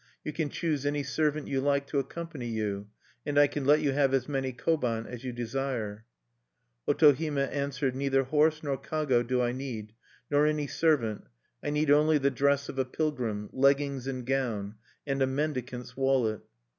"You can choose any servant you like to accompany you, and I can let you have as many koban as you desire." Otohime answered: "Neither horse nor kago do I need, nor any servant; I need only the dress of a pilgrim, leggings and gown, and a mendicant's wallet."